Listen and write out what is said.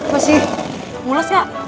masih mules gak